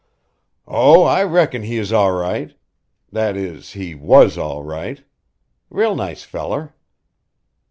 "Oh, I reckon he is all right. That is, he was all right. Real nice feller."